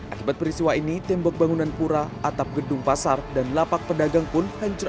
akibat peristiwa ini tembok bangunan pura atap gedung pasar dan lapak pedagang pun hancur